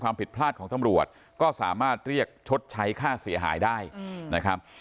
ความผิดพลาดของตำรวจก็สามารถเรียกชดใช้ค่าเสียหายได้นะครับ